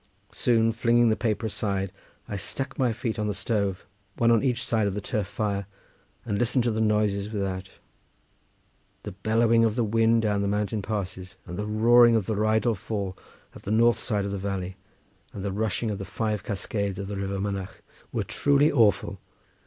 Soon flinging the paper aside I stuck my feet on the stove, one on each side of the turf fire, and listened to the noises without. The bellowing of the wind down the mountain passes and the roaring of the Rheidol fall at the north side of the valley, and the rushing of the five cascades of the river Mynach, were truly awful.